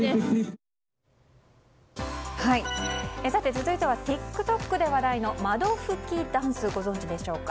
続いてはＴｉｋＴｏｋで話題の窓拭きダンスご存じでしょうか。